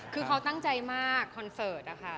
คือเขาตั้งใจมากคอนเสิร์ตนะคะ